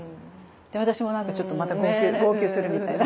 で私もなんかちょっとまた号泣するみたいな。